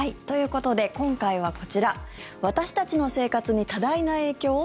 ということで今回はこちら私たちの生活に多大な影響？